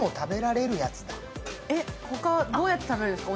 普通どうやって食べるんですか？